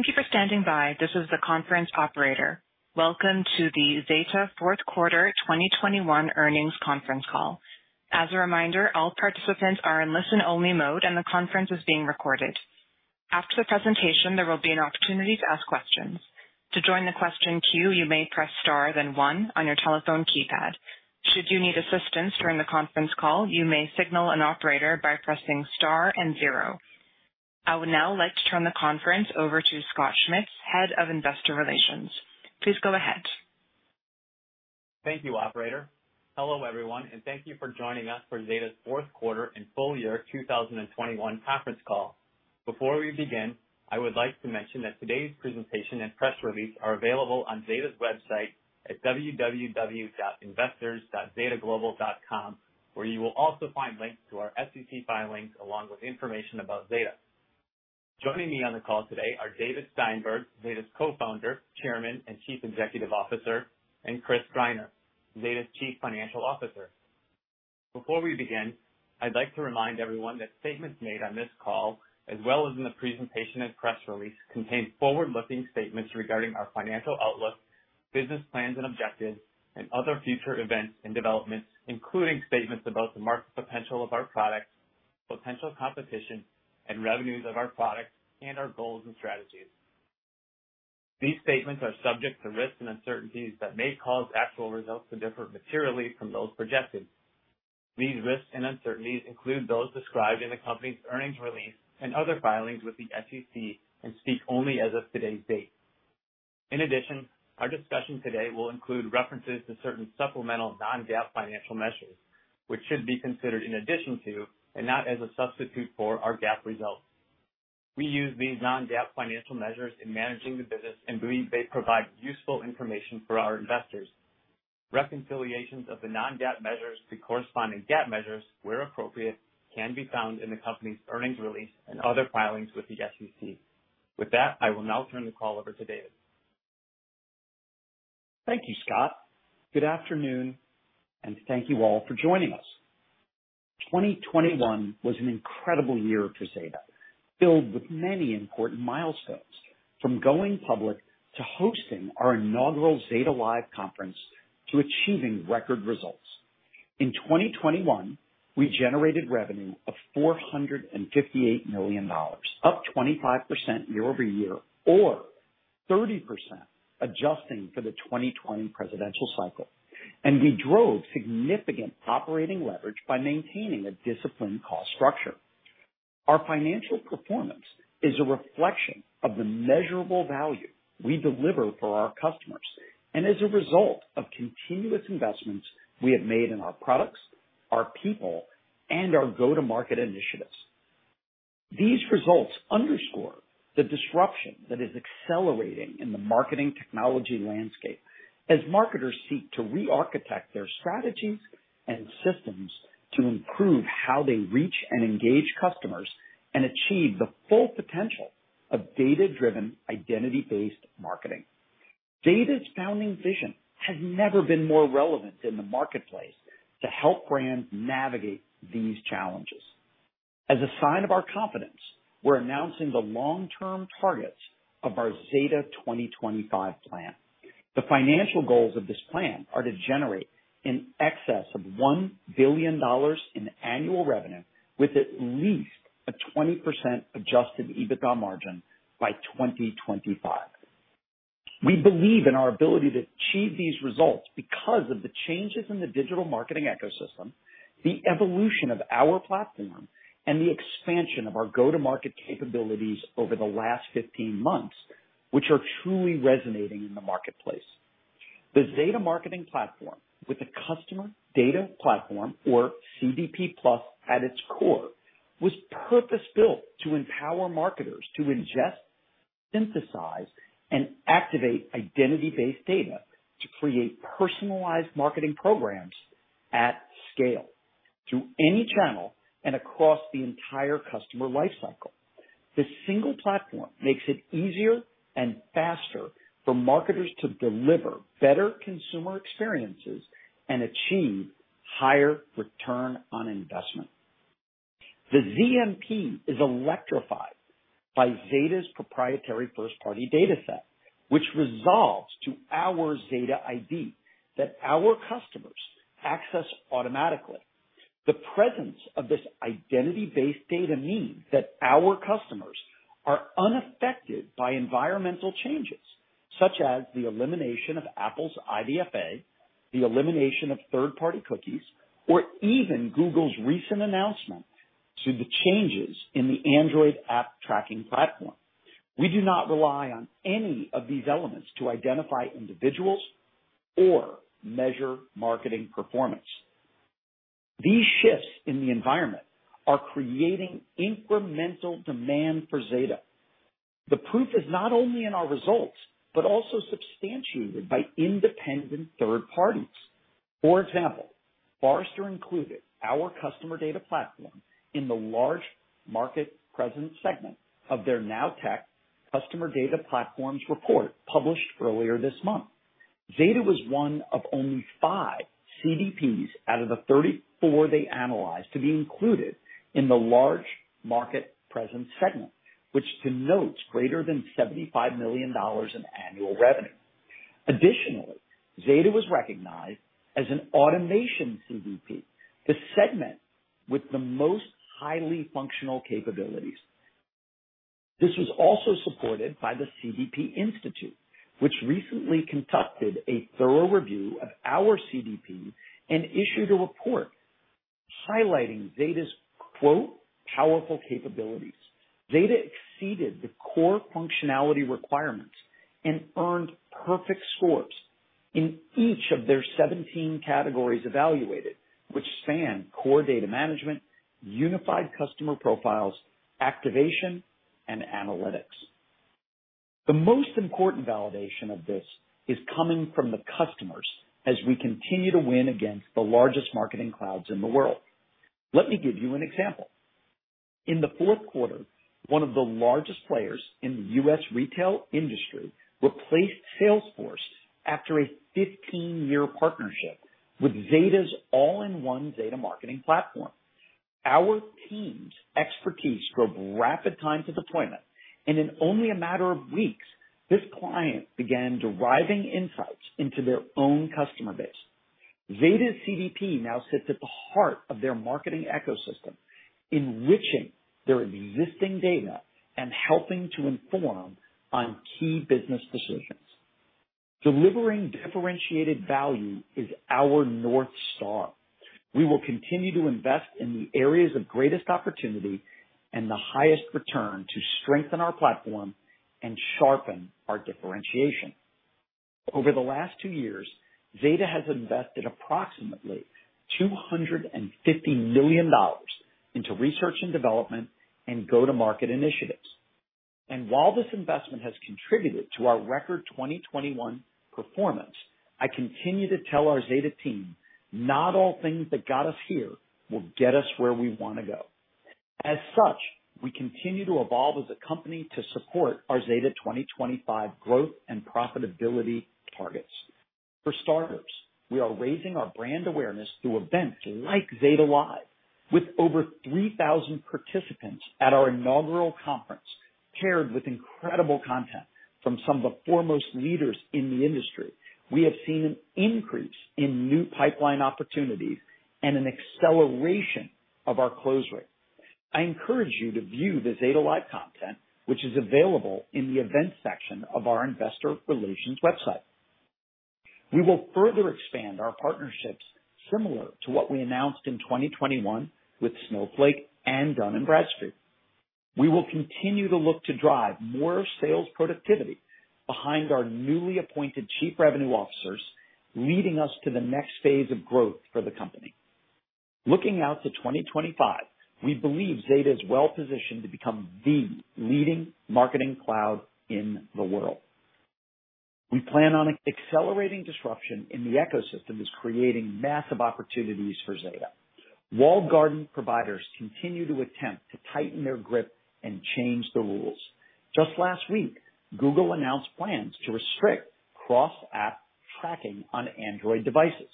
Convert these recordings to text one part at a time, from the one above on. Thank you for standing by. This is the conference operator. Welcome to the Zeta Fourth Quarter 2021 Earnings Conference Call. As a reminder, all participants are in listen-only mode, and the conference is being recorded. After the presentation, there will be an opportunity to ask questions. To join the question queue, you may press star then one on your telephone keypad. Should you need assistance during the conference call, you may signal an operator by pressing star and zero. I would now like to turn the conference over to Scott Schmitz, head of investor relations. Please go ahead. Thank you, operator. Hello, everyone, and thank you for joining us for Zeta's Fourth Quarter and Full Year 2021 Conference Call. Before we begin, I would like to mention that today's presentation and press release are available on Zeta's website at www.investors.zetaglobal.com, where you will also find links to our SEC filings along with information about Zeta. Joining me on the call today are David Steinberg, Zeta's Cofounder, Chairman, and Chief Executive Officer, and Chris Greiner, Zeta's Chief Financial Officer. Before we begin, I'd like to remind everyone that statements made on this call, as well as in the presentation and press release, contain forward-looking statements regarding our financial outlook, business plans and objectives, and other future events and developments, including statements about the market potential of our product, potential competition, and revenues of our product, and our goals and strategies. These statements are subject to risks and uncertainties that may cause actual results to differ materially from those projected. These risks and uncertainties include those described in the company's earnings release and other filings with the SEC and speak only as of today's date. In addition, our discussion today will include references to certain supplemental non-GAAP financial measures, which should be considered in addition to, and not as a substitute for, our GAAP results. We use these non-GAAP financial measures in managing the business and believe they provide useful information for our investors. Reconciliations of the non-GAAP measures to corresponding GAAP measures, where appropriate, can be found in the company's earnings release and other filings with the SEC. With that, I will now turn the call over to David. Thank you, Scott. Good afternoon, and thank you all for joining us. 2021 was an incredible year for Zeta, filled with many important milestones, from going public to hosting our inaugural Zeta Live conference to achieving record results. In 2021, we generated revenue of $458 million, up 25% year-over-year, or 30% adjusting for the 2020 presidential cycle, and we drove significant operating leverage by maintaining a disciplined cost structure. Our financial performance is a reflection of the measurable value we deliver for our customers and is a result of continuous investments we have made in our products, our people, and our go-to-market initiatives. These results underscore the disruption that is accelerating in the marketing technology landscape as marketers seek to re-architect their strategies and systems to improve how they reach and engage customers and achieve the full potential of data-driven, identity-based marketing. Zeta's founding vision has never been more relevant in the marketplace to help brands navigate these challenges. As a sign of our confidence, we're announcing the long-term targets of our Zeta 2025 plan. The financial goals of this plan are to generate an excess of $1 billion in annual revenue with at least a 20% adjusted EBITDA margin by 2025. We believe in our ability to achieve these results because of the changes in the digital marketing ecosystem, the evolution of our platform, and the expansion of our go-to-market capabilities over the last 15 months, which are truly resonating in the marketplace. The Zeta Marketing Platform, with the Customer Data Platform, or CDP+, at its core, was purpose-built to empower marketers to ingest, synthesize, and activate identity-based data to create personalized marketing programs at scale through any channel and across the entire customer lifecycle. This single platform makes it easier and faster for marketers to deliver better consumer experiences and achieve higher return on investment. The ZMP is electrified by Zeta's proprietary first-party data set, which resolves to our Zeta ID that our customers access automatically. The presence of this identity-based data means that our customers are unaffected by environmental changes, such as the elimination of Apple's IDFA, the elimination of third-party cookies, or even Google's recent announcement to the changes in the Android app tracking platform. We do not rely on any of these elements to identify individuals or measure marketing performance. These shifts in the environment are creating incremental demand for Zeta. The proof is not only in our results but also substantiated by independent third parties. For example, Forrester included our Customer Data Platform in the Large Market Presence segment of their Now Tech Customer Data Platforms report published earlier this month. Zeta was one of only five CDPs out of the 34 they analyzed to be included in the Large Market Presence segment, which denotes greater than $75 million in annual revenue. Additionally, Zeta was recognized as an Automation CDP, the segment with the most highly functional capabilities. This was also supported by the CDP Institute, which recently conducted a thorough review of our CDP and issued a report highlighting Zeta's "powerful capabilities." Zeta exceeded the core functionality requirements and earned perfect scores in each of their 17 categories evaluated, which span core data management, unified customer profiles, activation, and analytics. The most important validation of this is coming from the customers as we continue to win against the largest marketing clouds in the world. Let me give you an example. In the fourth quarter, one of the largest players in the U.S. retail industry replaced Salesforce after a 15-year partnership with Zeta's all-in-one Zeta Marketing Platform. Our team's expertise drove rapid time to deployment, and in only a matter of weeks, this client began deriving insights into their own customer base. Zeta's CDP now sits at the heart of their marketing ecosystem, enriching their existing data and helping to inform on key business decisions. Delivering differentiated value is our north star. We will continue to invest in the areas of greatest opportunity and the highest return to strengthen our platform and sharpen our differentiation. Over the last two years, Zeta has invested approximately $250 million into research and development and go-to-market initiatives. While this investment has contributed to our record 2021 performance, I continue to tell our Zeta team, "Not all things that got us here will get us where we want to go." As such, we continue to evolve as a company to support our Zeta 2025 growth and profitability targets. For starters, we are raising our brand awareness through events like Zeta Live, with over 3,000 participants at our inaugural conference, paired with incredible content from some of the foremost leaders in the industry. We have seen an increase in new pipeline opportunities and an acceleration of our close rate. I encourage you to view the Zeta Live content, which is available in the events section of our investor relations website. We will further expand our partnerships similar to what we announced in 2021 with Snowflake and Dun & Bradstreet. We will continue to look to drive more sales productivity behind our newly appointed chief revenue officers, leading us to the next phase of growth for the company. Looking out to 2025, we believe Zeta is well positioned to become the leading marketing cloud in the world. We plan on accelerating disruption in the ecosystem that is creating massive opportunities for Zeta. Walled garden providers continue to attempt to tighten their grip and change the rules. Just last week, Google announced plans to restrict cross-app tracking on Android devices,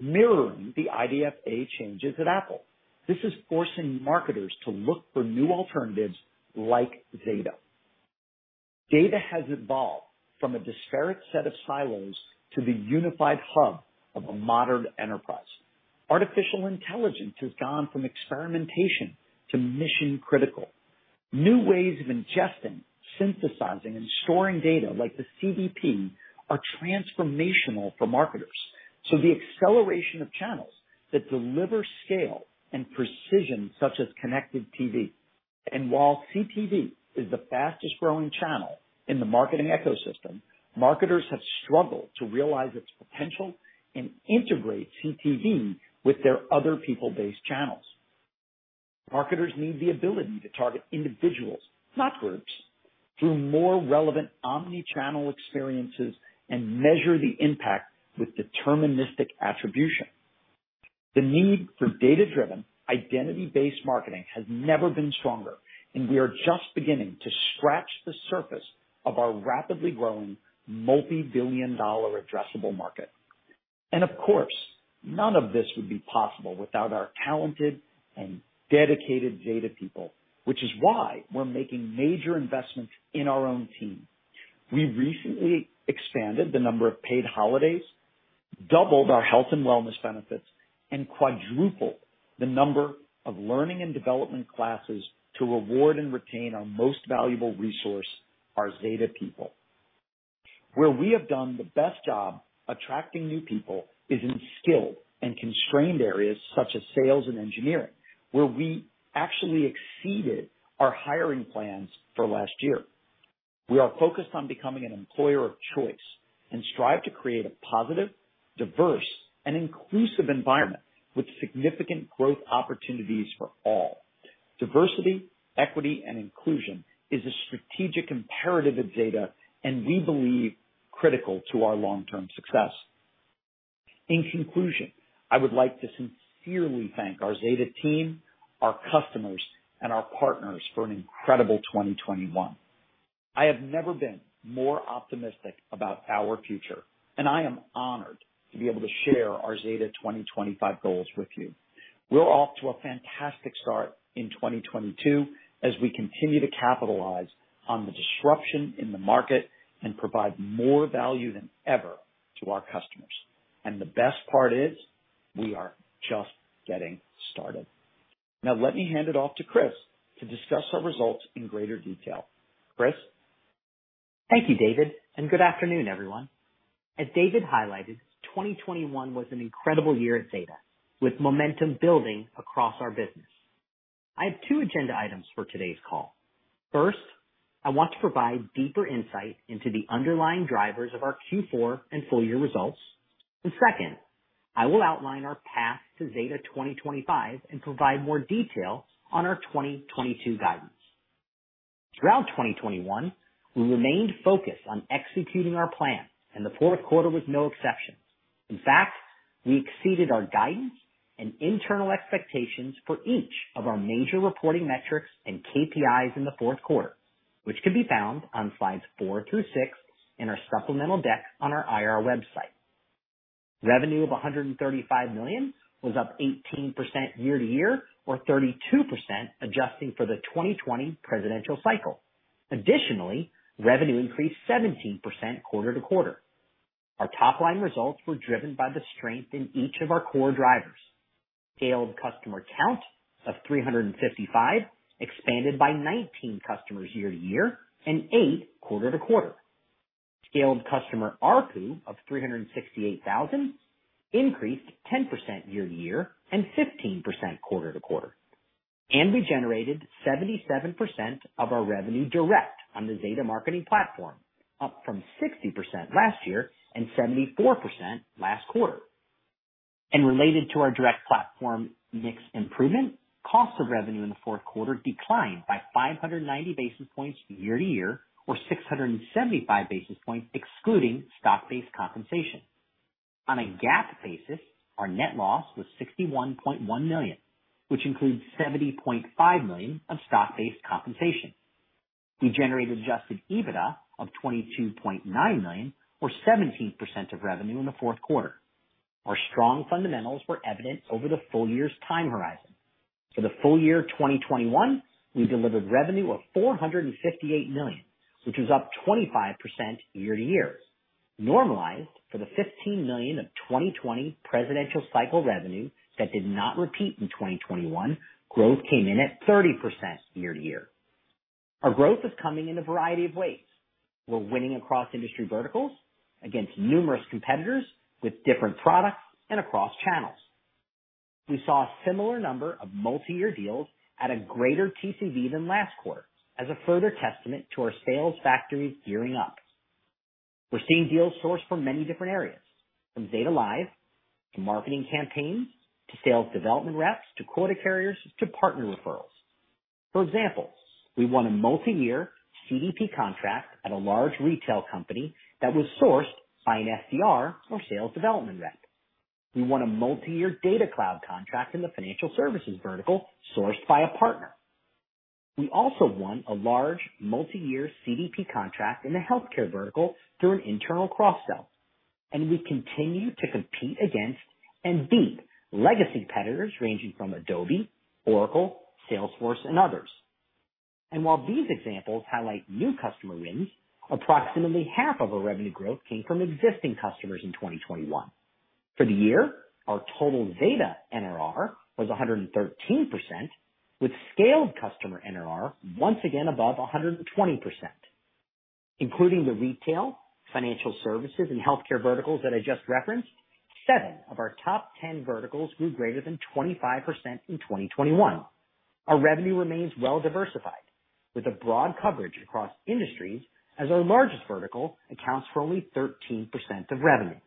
mirroring the IDFA changes at Apple. This is forcing marketers to look for new alternatives like Zeta. Zeta has evolved from a disparate set of silos to the unified hub of a modern enterprise. Artificial intelligence has gone from experimentation to mission-critical. New ways of ingesting, synthesizing, and storing data like the CDP are transformational for marketers, so the acceleration of channels that deliver scale and precision, such as connected TV, and while CTV is the fastest-growing channel in the marketing ecosystem, marketers have struggled to realize its potential and integrate CTV with their other people-based channels. Marketers need the ability to target individuals, not groups, through more relevant omnichannel experiences and measure the impact with deterministic attribution. The need for data-driven, identity-based marketing has never been stronger, and we are just beginning to scratch the surface of our rapidly growing multi-billion-dollar addressable market, and of course, none of this would be possible without our talented and dedicated Zeta people, which is why we're making major investments in our own team. We recently expanded the number of paid holidays, doubled our health and wellness benefits, and quadrupled the number of learning and development classes to reward and retain our most valuable resource, our Zeta people. Where we have done the best job attracting new people is in skilled and constrained areas such as sales and engineering, where we actually exceeded our hiring plans for last year. We are focused on becoming an employer of choice and strive to create a positive, diverse, and inclusive environment with significant growth opportunities for all. Diversity, equity, and inclusion is a strategic imperative of Zeta and we believe critical to our long-term success. In conclusion, I would like to sincerely thank our Zeta team, our customers, and our partners for an incredible 2021. I have never been more optimistic about our future, and I am honored to be able to share our Zeta 2025 goals with you. We're off to a fantastic start in 2022 as we continue to capitalize on the disruption in the market and provide more value than ever to our customers. And the best part is we are just getting started. Now, let me hand it off to Chris to discuss our results in greater detail. Chris? Thank you, David, and good afternoon, everyone. As David highlighted, 2021 was an incredible year at Zeta, with momentum building across our business. I have two agenda items for today's call. First, I want to provide deeper insight into the underlying drivers of our Q4 and full-year results, and second, I will outline our path to Zeta 2025 and provide more detail on our 2022 guidance. Throughout 2021, we remained focused on executing our plan, and the fourth quarter was no exception. In fact, we exceeded our guidance and internal expectations for each of our major reporting metrics and KPIs in the fourth quarter, which can be found on slides four through six in our supplemental deck on our IR website. Revenue of $135 million was up 18% year to year, or 32% adjusting for the 2020 presidential cycle. Additionally, revenue increased 17% quarter to quarter. Our top-line results were driven by the strength in each of our core drivers: Scaled Customer count of 355, expanded by 19 customers year to year, and eight quarter to quarter. Scaled Customer ARR of $368,000 increased 10% year to year and 15% quarter to quarter. And we generated 77% of our revenue direct on the Zeta Marketing Platform, up from 60% last year and 74% last quarter. And related to our direct platform mix improvement, cost of revenue in the fourth quarter declined by 590 basis points year to year, or 675 basis points excluding stock-based compensation. On a GAAP basis, our net loss was $61.1 million, which includes $70.5 million of stock-based compensation. We generated Adjusted EBITDA of $22.9 million, or 17% of revenue in the fourth quarter. Our strong fundamentals were evident over the full year's time horizon. For the full year 2021, we delivered revenue of $458 million, which was up 25% year to year. Normalized for the $15 million of 2020 presidential cycle revenue that did not repeat in 2021, growth came in at 30% year to year. Our growth is coming in a variety of ways. We're winning across industry verticals against numerous competitors with different products and across channels. We saw a similar number of multi-year deals at a greater TCV than last quarter, as a further testament to our sales factories gearing up. We're seeing deals sourced from many different areas, from Zeta Live to marketing campaigns to sales development reps to quota carriers to partner referrals. For example, we won a multi-year CDP contract at a large retail company that was sourced by an SDR or sales development rep. We won a multi-year data cloud contract in the financial services vertical sourced by a partner. We also won a large multi-year CDP contract in the healthcare vertical through an internal cross-sell, and we continue to compete against and beat legacy competitors ranging from Adobe, Oracle, Salesforce, and others, and while these examples highlight new customer wins, approximately half of our revenue growth came from existing customers in 2021. For the year, our total Zeta NRR was 113%, with Scaled Customer NRR once again above 120%. Including the retail, financial services, and healthcare verticals that I just referenced, seven of our top 10 verticals grew greater than 25% in 2021. Our revenue remains well diversified, with a broad coverage across industries, as our largest vertical accounts for only 13% of revenue.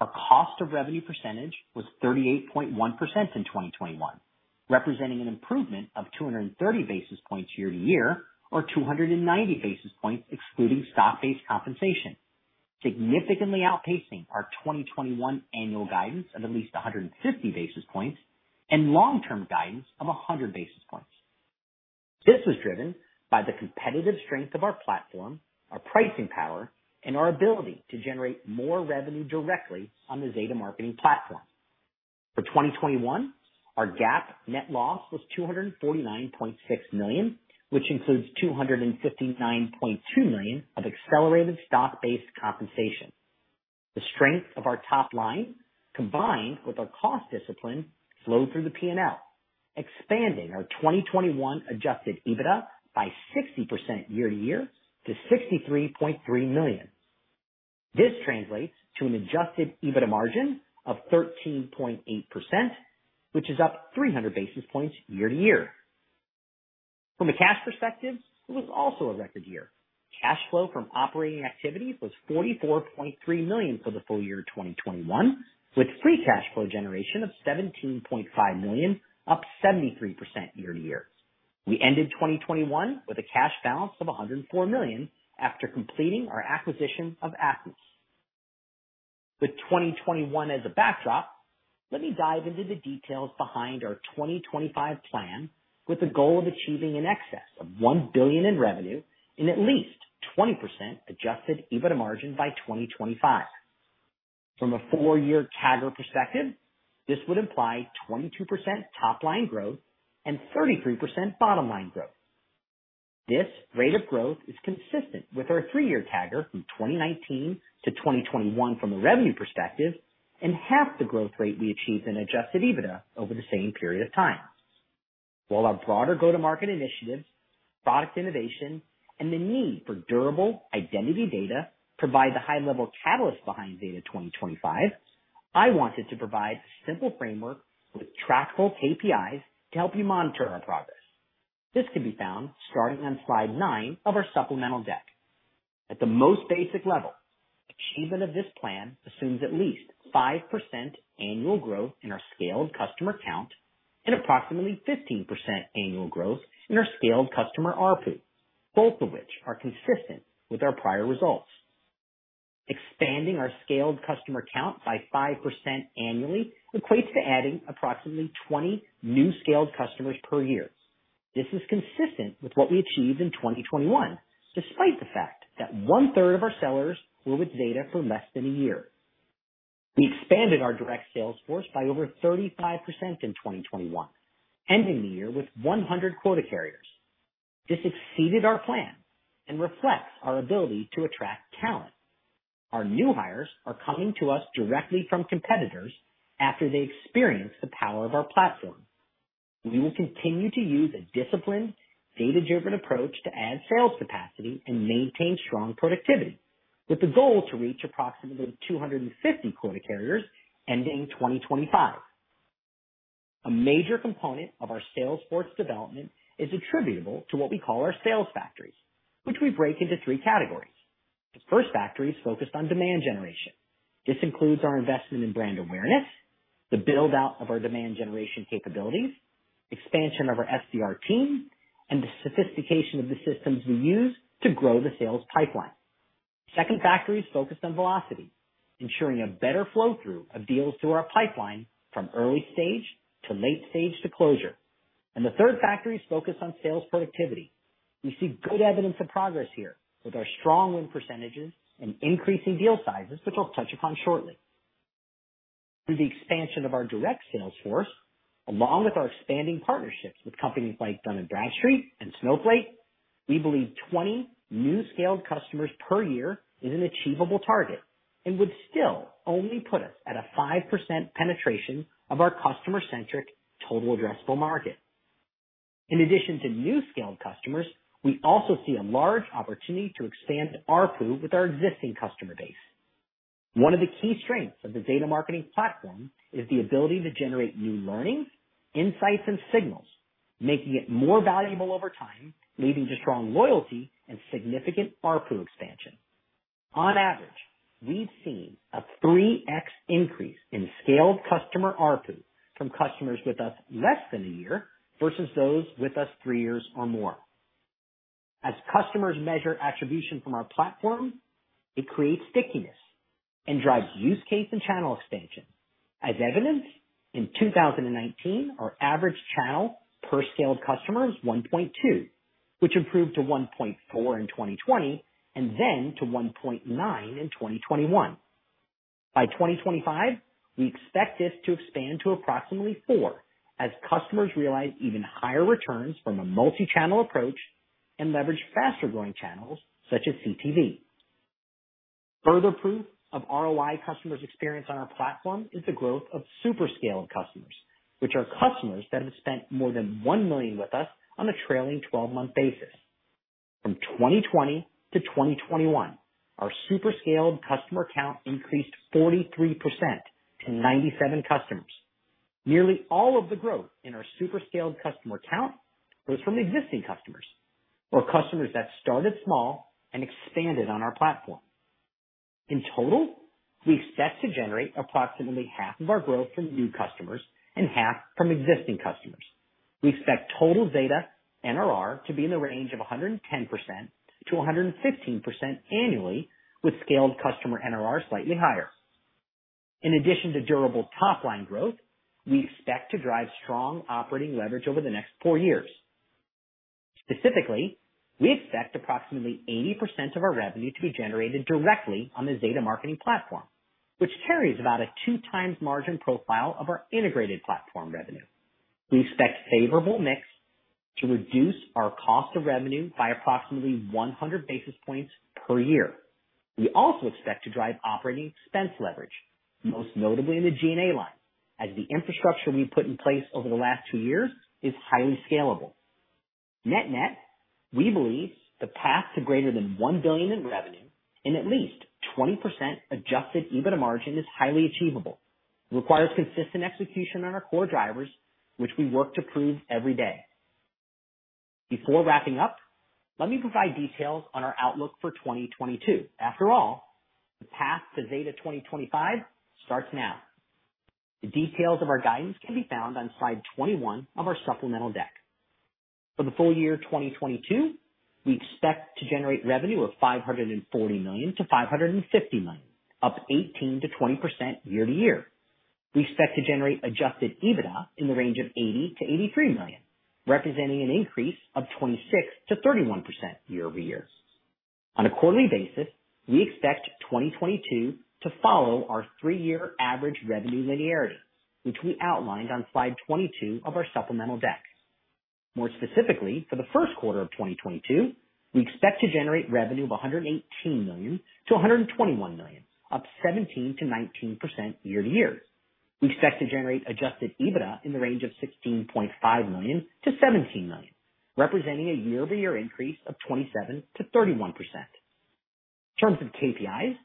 Our cost of revenue percentage was 38.1% in 2021, representing an improvement of 230 basis points year to year, or 290 basis points excluding stock-based compensation, significantly outpacing our 2021 annual guidance of at least 150 basis points and long-term guidance of 100 basis points. This was driven by the competitive strength of our platform, our pricing power, and our ability to generate more revenue directly on the Zeta Marketing Platform. For 2021, our GAAP net loss was $249.6 million, which includes $259.2 million of accelerated stock-based compensation. The strength of our top line, combined with our cost discipline, flowed through the P&L, expanding our 2021 Adjusted EBITDA by 60% year to year to $63.3 million. This translates to an Adjusted EBITDA margin of 13.8%, which is up 300 basis points year to year. From a cash perspective, it was also a record year. Cash flow from operating activities was $44.3 million for the full year 2021, with free cash flow generation of $17.5 million, up 73% year to year. We ended 2021 with a cash balance of $104 million after completing our acquisition of Atlas. With 2021 as a backdrop, let me dive into the details behind our 2025 plan, with the goal of achieving an excess of $1 billion in revenue and at least 20% adjusted EBITDA margin by 2025. From a four-year CAGR perspective, this would imply 22% top-line growth and 33% bottom-line growth. This rate of growth is consistent with our three-year CAGR from 2019 to 2021 from a revenue perspective and half the growth rate we achieved in adjusted EBITDA over the same period of time. While our broader go-to-market initiatives, product innovation, and the need for durable identity data provide the high-level catalyst behind Zeta 2025, I wanted to provide a simple framework with trackable KPIs to help you monitor our progress. This can be found starting on slide nine of our supplemental deck. At the most basic level, achievement of this plan assumes at least 5% annual growth in our Scaled Customer count and approximately 15% annual growth in our Scaled Customer ARPU, both of which are consistent with our prior results. Expanding our Scaled Customer count by 5% annually equates to adding approximately 20 new Scaled Customers per year. This is consistent with what we achieved in 2021, despite the fact that one-third of our sellers were with Zeta for less than a year. We expanded our direct sales force by over 35% in 2021, ending the year with 100 quota carriers. This exceeded our plan and reflects our ability to attract talent. Our new hires are coming to us directly from competitors after they experience the power of our platform. We will continue to use a disciplined, data-driven approach to add sales capacity and maintain strong productivity, with the goal to reach approximately 250 quota carriers ending 2025. A major component of our sales force development is attributable to what we call our sales factories, which we break into three categories. The first factory is focused on demand generation. This includes our investment in brand awareness, the build-out of our demand generation capabilities, expansion of our SDR team, and the sophistication of the systems we use to grow the sales pipeline. The second factory is focused on velocity, ensuring a better flow-through of deals through our pipeline from early stage to late stage to closure. The third factory is focused on sales productivity. We see good evidence of progress here with our strong win percentages and increasing deal sizes, which I'll touch upon shortly. Through the expansion of our direct sales force, along with our expanding partnerships with companies like Dun & Bradstreet and Snowflake, we believe 20 new Scaled Customers per year is an achievable target and would still only put us at a 5% penetration of our customer-centric total addressable market. In addition to new Scaled Customers, we also see a large opportunity to expand ARPU with our existing customer base. One of the key strengths of the Zeta Marketing Platform is the ability to generate new learnings, insights, and signals, making it more valuable over time, leading to strong loyalty and significant ARPU expansion. On average, we've seen a 3x increase in Scaled Customer ARPU from customers with us less than a year versus those with us three years or more. As customers measure attribution from our platform, it creates stickiness and drives use case and channel expansion. As evidence, in 2019, our average channel per Scaled Customer is 1.2, which improved to 1.4 in 2020 and then to 1.9 in 2021. By 2025, we expect this to expand to approximately 4 as customers realize even higher returns from a multi-channel approach and leverage faster-growing channels such as CTV. Further proof of ROI customers' experience on our platform is the growth of Super Scaled Customers, which are customers that have spent more than $1 million with us on a trailing 12-month basis. From 2020 to 2021, our super Scaled Customer count increased 43% to 97 customers. Nearly all of the growth in our Super Scaled Customer count was from existing customers or customers that started small and expanded on our platform. In total, we expect to generate approximately half of our growth from new customers and half from existing customers. We expect total Zeta NRR to be in the range of 110%-115% annually, with Scaled Customer NRR slightly higher. In addition to durable top-line growth, we expect to drive strong operating leverage over the next four years. Specifically, we expect approximately 80% of our revenue to be generated directly on the Zeta Marketing Platform, which carries about a 2x margin profile of our integrated platform revenue. We expect a favorable mix to reduce our cost of revenue by approximately 100 basis points per year. We also expect to drive operating expense leverage, most notably in the G&A line, as the infrastructure we put in place over the last two years is highly scalable. Net-net, we believe the path to greater than $1 billion in revenue and at least 20% adjusted EBITDA margin is highly achievable. It requires consistent execution on our core drivers, which we work to prove every day. Before wrapping up, let me provide details on our outlook for 2022. After all, the path to Zeta 2025 starts now. The details of our guidance can be found on slide 21 of our supplemental deck. For the full year 2022, we expect to generate revenue of $540 million-$550 million, up 18%-20% year to year. We expect to generate adjusted EBITDA in the range of $80 million-$83 million, representing an increase of 26%-31% year-over-year. On a quarterly basis, we expect 2022 to follow our three-year average revenue linearity, which we outlined on slide 22 of our supplemental deck. More specifically, for the first quarter of 2022, we expect to generate revenue of $118 million-$121 million, up 17%-19% year to year. We expect to generate Adjusted EBITDA in the range of $16.5 million-$17 million, representing a year-over-year increase of 27%-31%. In terms of KPIs,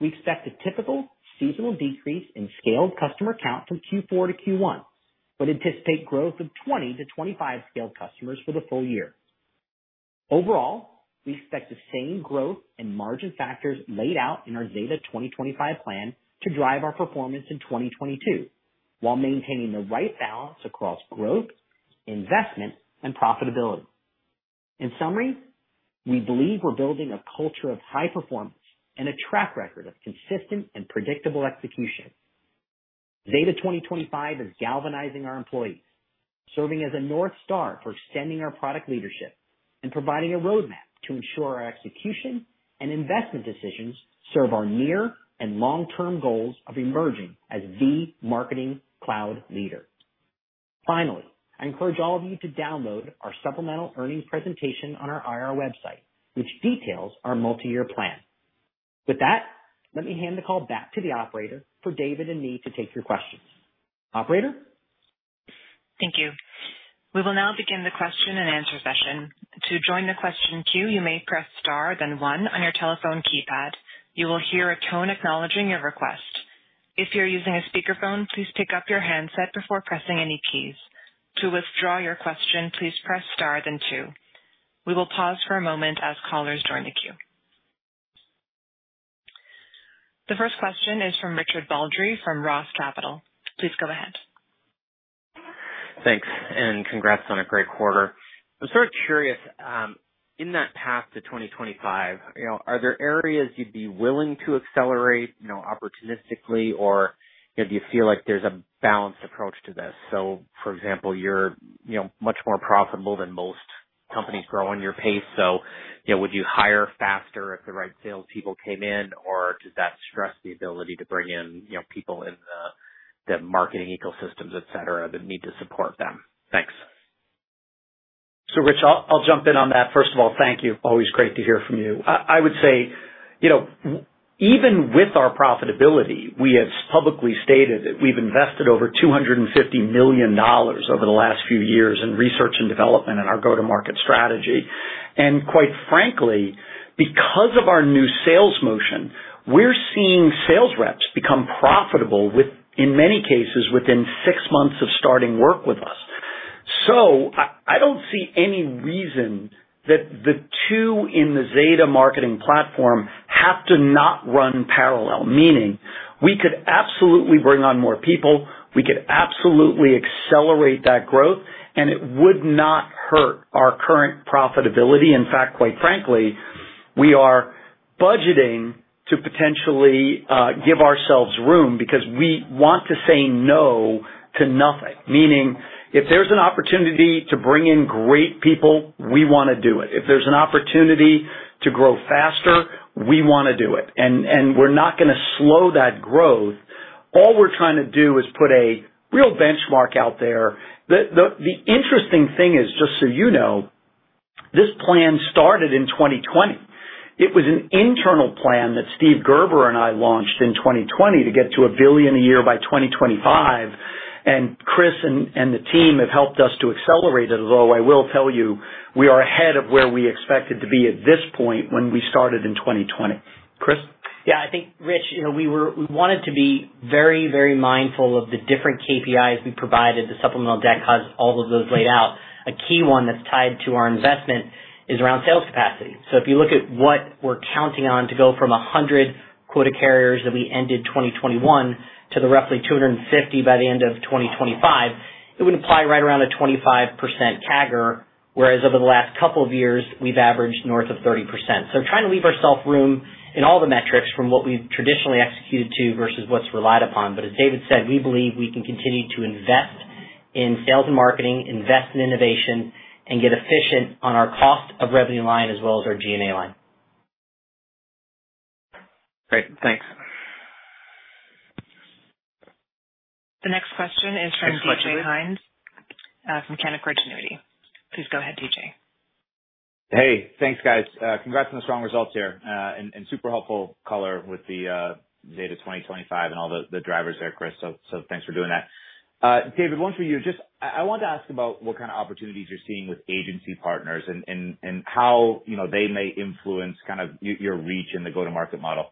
we expect a typical seasonal decrease in Scaled Customer count from Q4 to Q1, but anticipate growth of 20%-25% Scaled Customers for the full year. Overall, we expect the same growth and margin factors laid out in our Zeta 2025 plan to drive our performance in 2022 while maintaining the right balance across growth, investment, and profitability. In summary, we believe we're building a culture of high performance and a track record of consistent and predictable execution. Zeta 2025 is galvanizing our employees, serving as a North Star for extending our product leadership and providing a roadmap to ensure our execution and investment decisions serve our near and long-term goals of emerging as the marketing cloud leader. Finally, I encourage all of you to download our supplemental earnings presentation on our IR website, which details our multi-year plan. With that, let me hand the call back to the operator for David and me to take your questions. Operator? Thank you. We will now begin the question and answer session. To join the question queue, you may press star, then one on your telephone keypad. You will hear a tone acknowledging your request. If you're using a speakerphone, please pick up your handset before pressing any keys. To withdraw your question, please press star, then two. We will pause for a moment as callers join the queue. The first question is from Richard Baldry from ROTH Capital Partners. Please go ahead. Thanks, and congrats on a great quarter. I'm sort of curious, in that path to 2025, are there areas you'd be willing to accelerate opportunistically, or do you feel like there's a balanced approach to this? So, for example, you're much more profitable than most companies grow on your pace. So would you hire faster if the right salespeople came in, or does that stress the ability to bring in people in the marketing ecosystems, etc., that need to support them? Thanks. So, Rich, I'll jump in on that. First of all, thank you. Always great to hear from you. I would say, even with our profitability, we have publicly stated that we've invested over $250 million over the last few years in research and development and our go-to-market strategy, and quite frankly, because of our new sales motion, we're seeing sales reps become profitable, in many cases, within six months of starting work with us, so I don't see any reason that the two in the Zeta Marketing Platform have to not run parallel, meaning we could absolutely bring on more people, we could absolutely accelerate that growth, and it would not hurt our current profitability. In fact, quite frankly, we are budgeting to potentially give ourselves room because we want to say no to nothing, meaning if there's an opportunity to bring in great people, we want to do it. If there's an opportunity to grow faster, we want to do it. We're not going to slow that growth. All we're trying to do is put a real benchmark out there. The interesting thing is, just so you know, this plan started in 2020. It was an internal plan that Steve Gerber and I launched in 2020 to get to $1 billion a year by 2025. And Chris and the team have helped us to accelerate it, although I will tell you we are ahead of where we expected to be at this point when we started in 2020. Chris? Yeah. I think, Rich, we wanted to be very, very mindful of the different KPIs we provided. The supplemental deck has all of those laid out. A key one that's tied to our investment is around sales capacity. So if you look at what we're counting on to go from 100 quota carriers that we ended 2021 to the roughly 250 by the end of 2025, it would imply right around a 25% CAGR, whereas over the last couple of years, we've averaged north of 30%. So trying to leave ourselves room in all the metrics from what we've traditionally executed to versus what's relied upon. But as David said, we believe we can continue to invest in sales and marketing, invest in innovation, and get efficient on our cost of revenue line as well as our G&A line. Great. Thanks. The next question is from DJ Hynes from Canaccord Genuity. Please go ahead, DJ. Hey. Thanks, guys. Congrats on the strong results here and super helpful color with the Zeta 2025 and all the drivers there, Chris. So thanks for doing that. David, once we're here, just I wanted to ask about what kind of opportunities you're seeing with agency partners and how they may influence kind of your reach in the go-to-market model.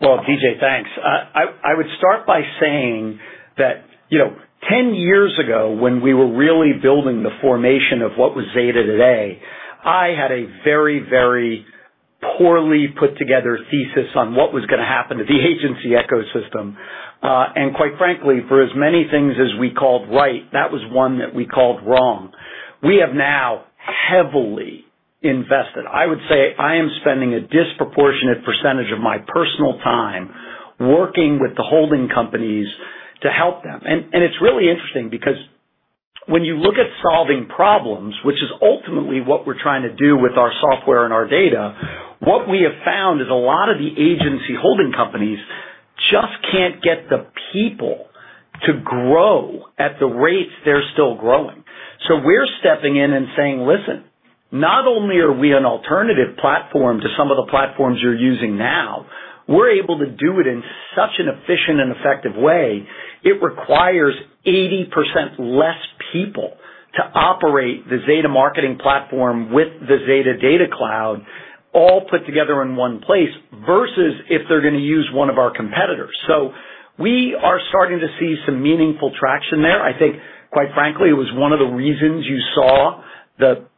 Well, DJ, thanks. I would start by saying that 10 years ago, when we were really building the formation of what was Zeta today, I had a very, very poorly put together thesis on what was going to happen to the agency ecosystem. And quite frankly, for as many things as we called right, that was one that we called wrong. We have now heavily invested. I would say I am spending a disproportionate percentage of my personal time working with the holding companies to help them. It's really interesting because when you look at solving problems, which is ultimately what we're trying to do with our software and our data, what we have found is a lot of the agency holding companies just can't get the people to grow at the rates they're still growing. We're stepping in and saying, "Listen, not only are we an alternative platform to some of the platforms you're using now, we're able to do it in such an efficient and effective way. It requires 80% less people to operate the Zeta Marketing Platform with the Zeta Data Cloud all put together in one place versus if they're going to use one of our competitors." We are starting to see some meaningful traction there. I think, quite frankly, it was one of the reasons you saw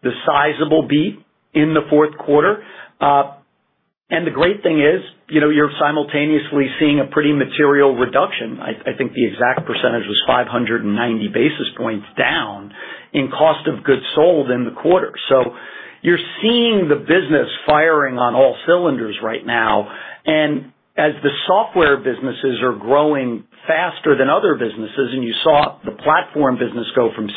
the sizable beat in the fourth quarter. And the great thing is you're simultaneously seeing a pretty material reduction. I think the exact percentage was 590 basis points down in cost of goods sold in the quarter. So you're seeing the business firing on all cylinders right now. And as the software businesses are growing faster than other businesses, and you saw the platform business go from 60%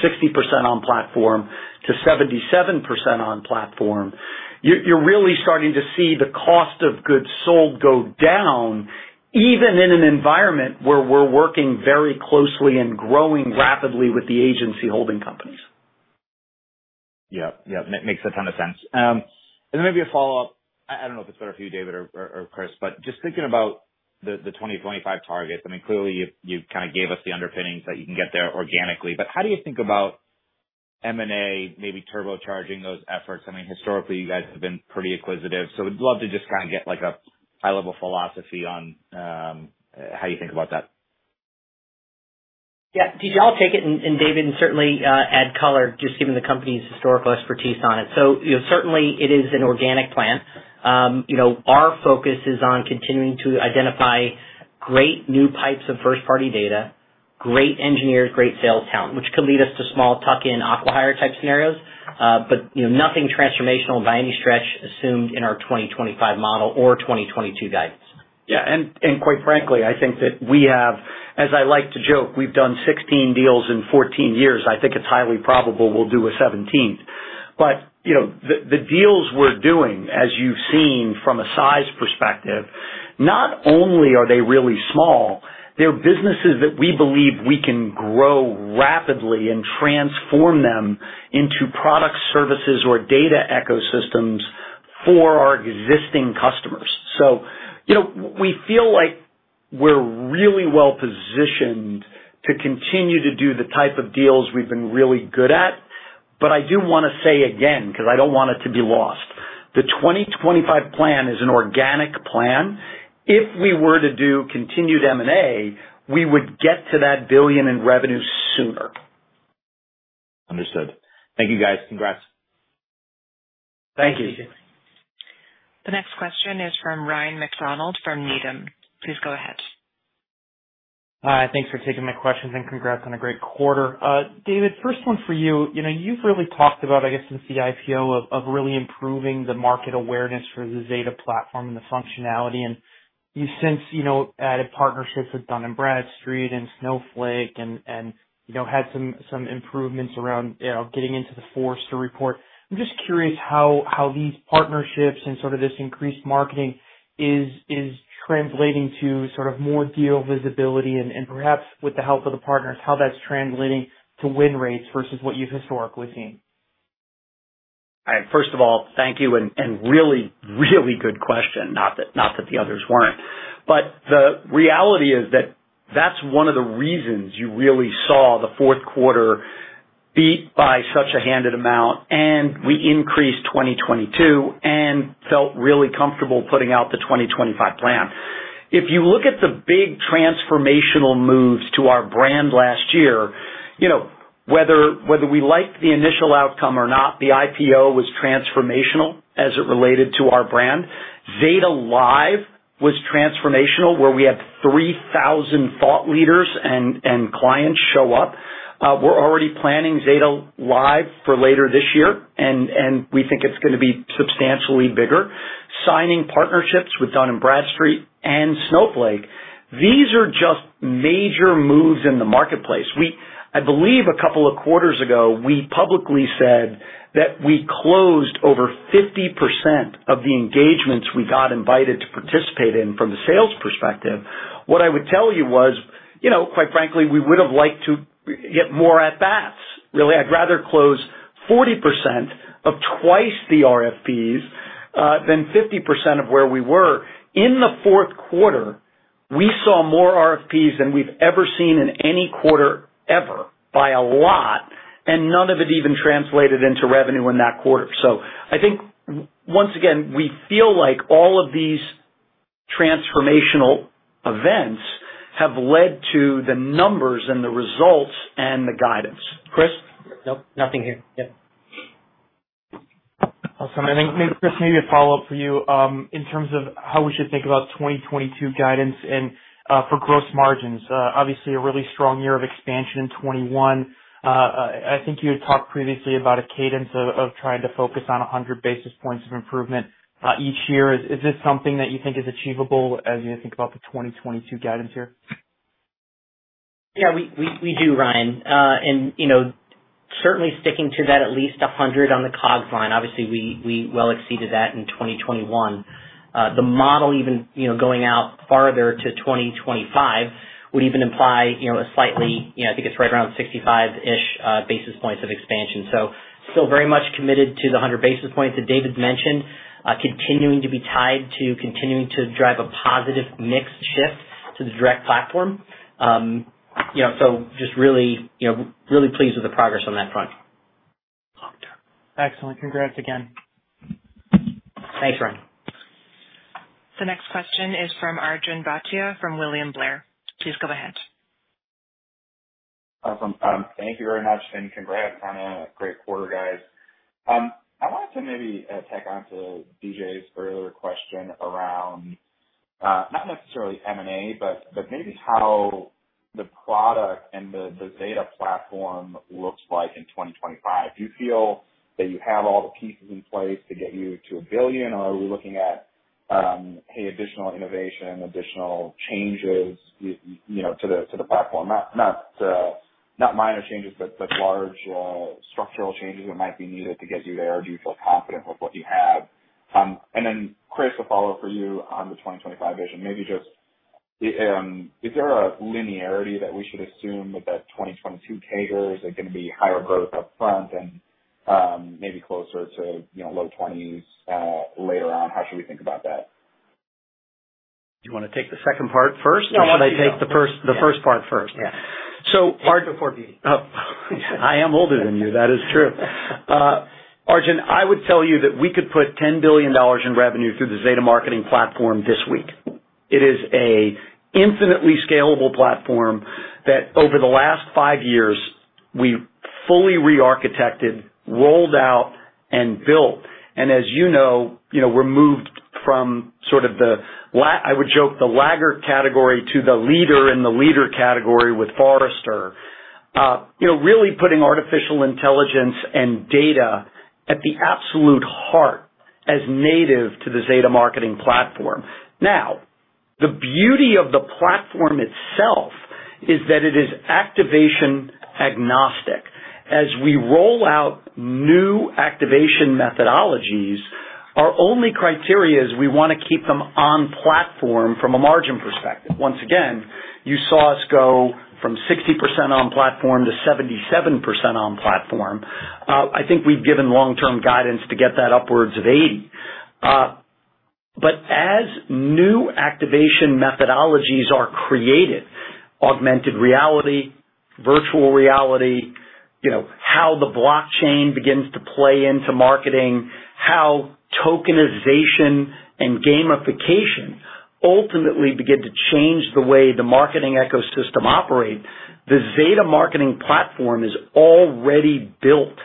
on platform to 77% on platform, you're really starting to see the cost of goods sold go down, even in an environment where we're working very closely and growing rapidly with the agency holding companies. Yep. Yep. Makes a ton of sense. And then maybe a follow-up. I don't know if it's better for you, David or Chris, but just thinking about the 2025 targets, I mean, clearly, you kind of gave us the underpinnings that you can get there organically. But how do you think about M&A, maybe turbocharging those efforts? I mean, historically, you guys have been pretty acquisitive. So we'd love to just kind of get a high-level philosophy on how you think about that. Yeah. DJ, I'll take it, and David, and certainly add color, just given the company's historical expertise on it. So certainly, it is an organic plan. Our focus is on continuing to identify great new types of first-party data, great engineers, great sales talent, which could lead us to small tuck-in acqui-hire type scenarios, but nothing transformational by any stretch assumed in our 2025 model or 2022 guidance. Yeah. And quite frankly, I think that we have, as I like to joke, we've done 16 deals in 14 years. I think it's highly probable we'll do a 17th. But the deals we're doing, as you've seen from a size perspective, not only are they really small, they're businesses that we believe we can grow rapidly and transform them into product services or data ecosystems for our existing customers. So we feel like we're really well-positioned to continue to do the type of deals we've been really good at. But I do want to say again, because I don't want it to be lost, the 2025 plan is an organic plan. If we were to do continued M&A, we would get to that billion in revenue sooner. Understood. Thank you, guys. Congrats. Thank you. The next question is from Ryan MacDonald from Needham. Please go ahead. Hi. Thanks for taking my questions and congrats on a great quarter. David, first one for you. You've really talked about, I guess, since the IPO of really improving the market awareness for the Zeta platform and the functionality. And you've since added partnerships with Dun & Bradstreet and Snowflake and had some improvements around getting into the Forrester report. I'm just curious how these partnerships and sort of this increased marketing is translating to sort of more deal visibility and perhaps, with the help of the partners, how that's translating to win rates versus what you've historically seen. All right. First of all, thank you. And really, really good question. Not that the others weren't. But the reality is that that's one of the reasons you really saw the fourth quarter beat by such a handsome amount, and we increased 2022 and felt really comfortable putting out the 2025 plan. If you look at the big transformational moves to our brand last year, whether we liked the initial outcome or not, the IPO was transformational as it related to our brand. Zeta Live was transformational, where we had 3,000 thought leaders and clients show up. We're already planning Zeta Live for later this year, and we think it's going to be substantially bigger. Signing partnerships with Dun & Bradstreet and Snowflake, these are just major moves in the marketplace. I believe a couple of quarters ago, we publicly said that we closed over 50% of the engagements we got invited to participate in from the sales perspective. What I would tell you was, quite frankly, we would have liked to get more at-bats. Really, I'd rather close 40% of twice the RFPs than 50% of where we were. In the fourth quarter, we saw more RFPs than we've ever seen in any quarter ever, by a lot, and none of it even translated into revenue in that quarter. So I think, once again, we feel like all of these transformational events have led to the numbers and the results and the guidance. Chris? Nope. Nothing here. Yep. Awesome. And then Chris, maybe a follow-up for you in terms of how we should think about 2022 guidance and for gross margins. Obviously, a really strong year of expansion in 2021. I think you had talked previously about a cadence of trying to focus on 100 basis points of improvement each year. Is this something that you think is achievable as you think about the 2022 guidance year? Yeah, we do, Ryan. And certainly sticking to that at least 100 on the COGS line. Obviously, we well exceeded that in 2021. The model even going out farther to 2025 would even imply a slightly - I think it's right around 65-ish basis points of expansion. So still very much committed to the 100 basis points that David mentioned, continuing to be tied to continuing to drive a positive mix shift to the direct platform. So just really pleased with the progress on that front. Excellent. Congrats again. Thanks, Ryan. The next question is from Arjun Bhatia from William Blair. Please go ahead. Awesome. Thank you very much, and congrats. A great quarter, guys. I wanted to maybe tack on to DJ's earlier question around not necessarily M&A, but maybe how the product and the Zeta platform looks like in 2025. Do you feel that you have all the pieces in place to get you to a billion, or are we looking at, hey, additional innovation, additional changes to the platform? Not minor changes, but large structural changes that might be needed to get you there. Do you feel confident with what you have? And then, Chris, a follow-up for you on the 2025 vision. Maybe just, is there a linearity that we should assume with that 2022 CAGR? Is it going to be higher growth upfront and maybe closer to low 20s later on? How should we think about that? Do you want to take the second part first, or should I take the first part first? Yeah. So I am older than you. That is true. Arjun, I would tell you that we could put $10 billion in revenue through the Zeta Marketing Platform this week. It is an infinitely scalable platform that, over the last five years, we fully re-architected, rolled out, and built. As you know, we've moved from sort of the—I would joke—the laggard category to the leader in the Leaders category with Forrester, really putting artificial intelligence and data at the absolute heart as native to the Zeta Marketing Platform. Now, the beauty of the platform itself is that it is activation agnostic. As we roll out new activation methodologies, our only criteria is we want to keep them on platform from a margin perspective. Once again, you saw us go from 60% on platform to 77% on platform. I think we've given long-term guidance to get that upwards of 80%. As new activation methodologies are created, augmented reality, virtual reality, how the blockchain begins to play into marketing, how tokenization and gamification ultimately begin to change the way the marketing ecosystem operates, the Zeta Marketing Platform is already built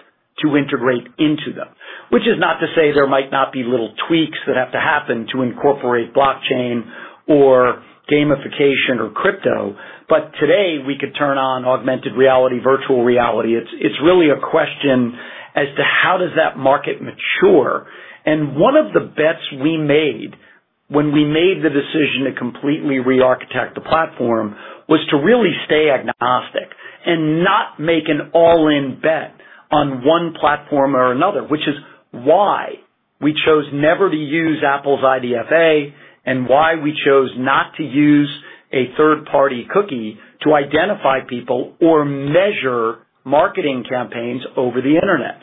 to integrate into them. Which is not to say there might not be little tweaks that have to happen to incorporate blockchain or gamification or crypto, but today, we could turn on augmented reality, virtual reality. It's really a question as to how does that market mature, and one of the bets we made when we made the decision to completely re-architect the platform was to really stay agnostic and not make an all-in bet on one platform or another, which is why we chose never to use Apple's IDFA and why we chose not to use a third-party cookie to identify people or measure marketing campaigns over the internet.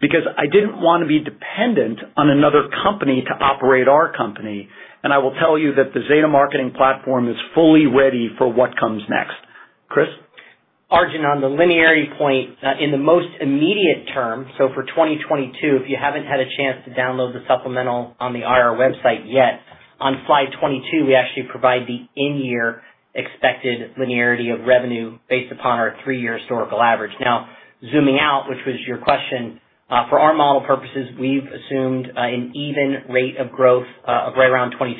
Because I didn't want to be dependent on another company to operate our company, and I will tell you that the Zeta Marketing Platform is fully ready for what comes next. Chris? Arjun, on the linearity point, in the most immediate term, so for 2022, if you haven't had a chance to download the supplemental on the IR website yet, on slide 22, we actually provide the in-year expected linearity of revenue based upon our three-year historical average. Now, zooming out, which was your question, for our model purposes, we've assumed an even rate of growth of right around 22%.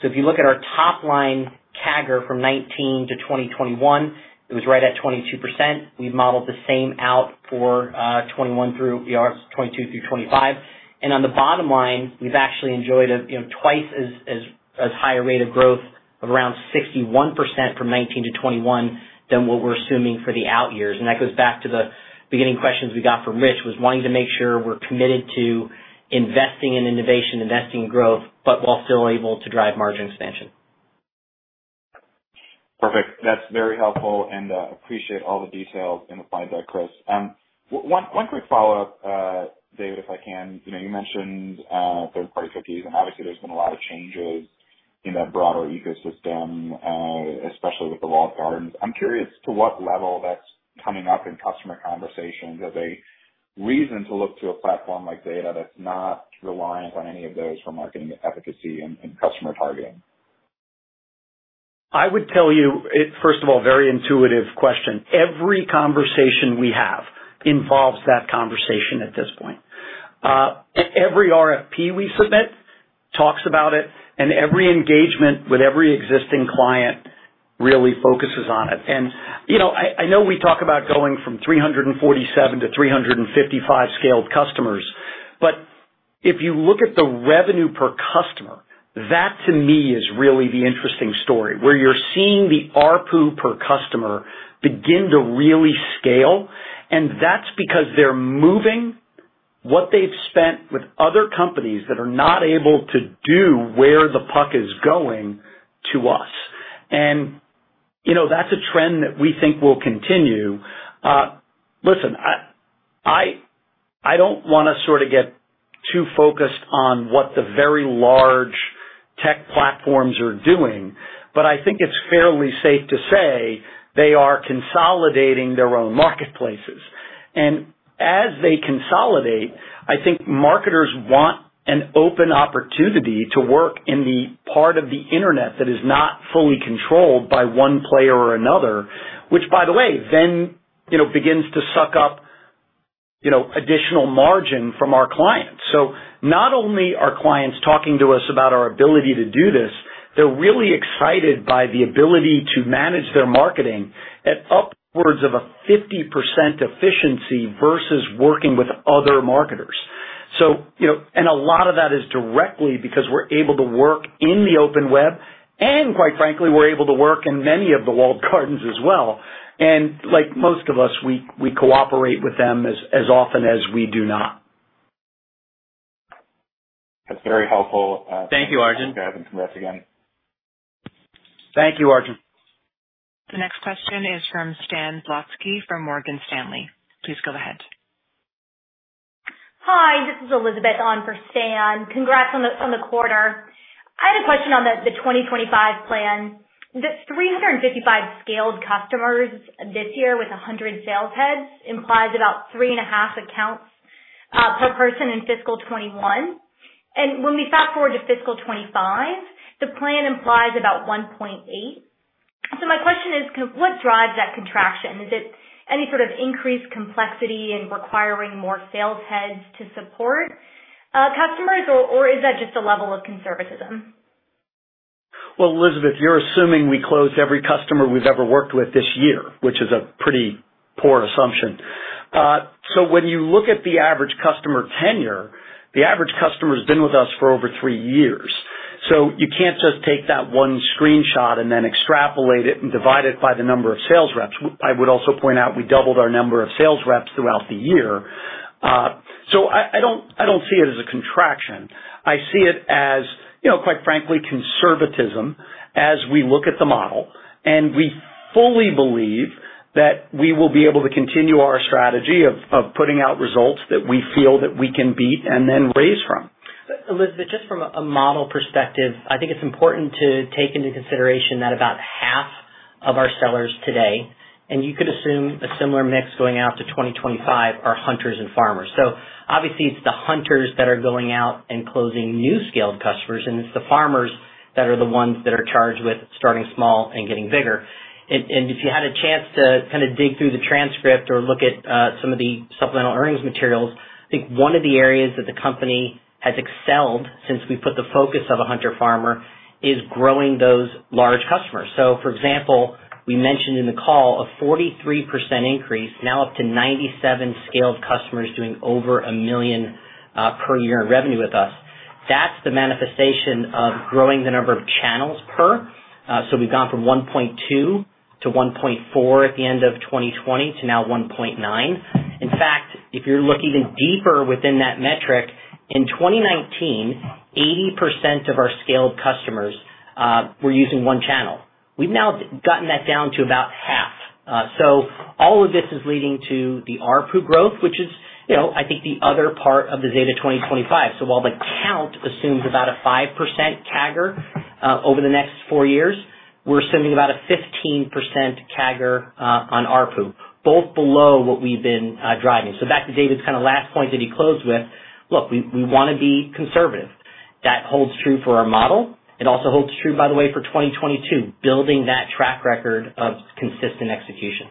So, if you look at our top-line CAGR from 2019 to 2021, it was right at 22%. We've modeled the same out for 2022 through 2025. On the bottom line, we've actually enjoyed a twice as high rate of growth of around 61% from 2019 to 2021 than what we're assuming for the out years. That goes back to the beginning questions we got from Rich, was wanting to make sure we're committed to investing in innovation, investing in growth, but while still able to drive margin expansion. Perfect. That's very helpful, and I appreciate all the details and the fine detail, Chris. One quick follow-up, David, if I can. You mentioned third-party cookies, and obviously, there's been a lot of changes in that broader ecosystem, especially with the walled gardens. I'm curious to what level that's coming up in customer conversations as a reason to look to a platform like Zeta that's not reliant on any of those for marketing efficacy and customer targeting. I would tell you, first of all, very intuitive question. Every conversation we have involves that conversation at this point. Every RFP we submit talks about it, and every engagement with every existing client really focuses on it. And I know we talk about going from 347 to 355 Scaled Customers, but if you look at the revenue per customer, that to me is really the interesting story, where you're seeing the ARPU per customer begin to really scale, and that's because they're moving what they've spent with other companies that are not able to do where the puck is going to us. And that's a trend that we think will continue. Listen, I don't want to sort of get too focused on what the very large tech platforms are doing, but I think it's fairly safe to say they are consolidating their own marketplaces. And as they consolidate, I think marketers want an open opportunity to work in the part of the internet that is not fully controlled by one player or another, which, by the way, then begins to suck up additional margin from our clients. So not only are clients talking to us about our ability to do this, they're really excited by the ability to manage their marketing at upwards of a 50% efficiency versus working with other marketers. And a lot of that is directly because we're able to work in the open web, and quite frankly, we're able to work in many of the walled gardens as well. And like most of us, we cooperate with them as often as we do not. That's very helpful. Thank you, Arjun. Congrats again. Thank you, Arjun. The next question is from Stan Zlotsky from Morgan Stanley. Please go ahead. Hi. This is Elizabeth on for Stan. Congrats on the quarter. I had a question on the 2025 plan. The 355 Scaled Customers this year with 100 sales heads implies about three and a half accounts per person in fiscal 2021. And when we fast forward to fiscal 2025, the plan implies about 1.8. So my question is, what drives that contraction? Is it any sort of increased complexity in requiring more sales heads to support customers, or is that just a level of conservatism? Well, Elizabeth, you're assuming we closed every customer we've ever worked with this year, which is a pretty poor assumption. So when you look at the average customer tenure, the average customer has been with us for over three years. So you can't just take that one screenshot and then extrapolate it and divide it by the number of sales reps. I would also point out we doubled our number of sales reps throughout the year so I don't see it as a contraction. I see it as, quite frankly, conservatism as we look at the model and we fully believe that we will be able to continue our strategy of putting out results that we feel that we can beat and then raise from. Elizabeth, just from a model perspective, I think it's important to take into consideration that about half of our sellers today, and you could assume a similar mix going out to 2025, are hunters and farmers so obviously, it's the hunters that are going out and closing new Scaled Customers, and it's the farmers that are the ones that are charged with starting small and getting bigger. And if you had a chance to kind of dig through the transcript or look at some of the supplemental earnings materials, I think one of the areas that the company has excelled since we put the focus on the hunter-farmer is growing those large customers. So for example, we mentioned in the call a 43% increase, now up to 97 Scaled Customers doing over a million per year in revenue with us. That's the manifestation of growing the number of channels per. So we've gone from 1.2 to 1.4 at the end of 2020 to now 1.9. In fact, if you're looking deeper within that metric, in 2019, 80% of our Scaled Customers were using one channel. We've now gotten that down to about half. So all of this is leading to the ARPU growth, which is, I think, the other part of the Zeta 2025. So while the count assumes about a 5% CAGR over the next four years, we're assuming about a 15% CAGR on ARPU, both below what we've been driving. So back to David's kind of last point that he closed with, look, we want to be conservative. That holds true for our model. It also holds true, by the way, for 2022, building that track record of consistent execution.